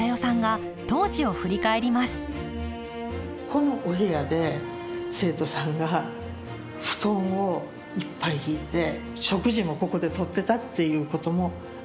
このお部屋で生徒さんが布団をいっぱい敷いて食事もここでとってたっていうこともあります。